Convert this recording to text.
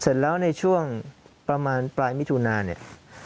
เสร็จแล้วในช่วงประมาณปลายมิถุนาเนี่ย